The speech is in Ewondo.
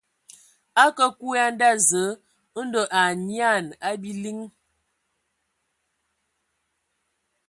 A kǝǝ kwi a nda Zǝǝ ndɔ a anyian a biliŋ.